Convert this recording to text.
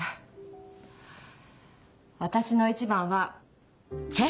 私の一番は。